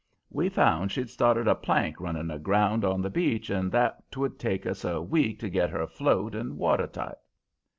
We found she'd started a plank running aground on the beach, and that 'twould take us a week to get her afloat and watertight.